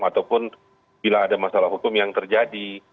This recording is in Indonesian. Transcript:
ataupun bila ada masalah hukum yang terjadi